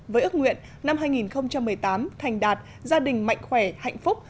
với ước nguyện năm hai nghìn một mươi tám thành đạt gia đình mạnh khỏe hạnh phúc